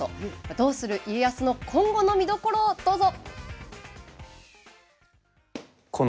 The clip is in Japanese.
「どうする家康」の今後の見どころ、こちらをどうぞ。